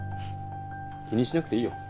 気にしなくていいよ。